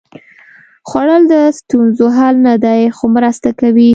خوړل د ستونزو حل نه دی، خو مرسته کوي